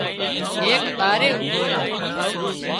ايڪ ٻارئي اوڀو ريو